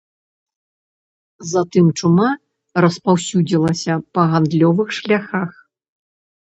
Затым чума распаўсюдзілася па гандлёвых шляхах.